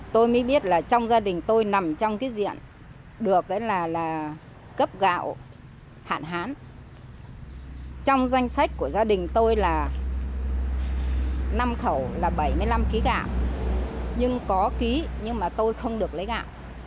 tôi là năm khẩu là bảy mươi năm ký gạo nhưng có ký nhưng mà tôi không được lấy gạo